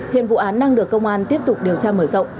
hiện vụ án đang được công an tiếp tục điều tra mở rộng